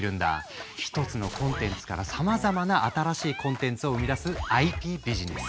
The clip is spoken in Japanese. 一つのコンテンツからさまざまな新しいコンテンツを生み出すＩＰビジネス。